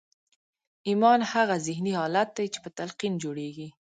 ایمان هغه ذهني حالت دی چې په تلقین جوړېږي